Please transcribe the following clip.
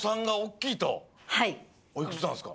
おいくつなんですか？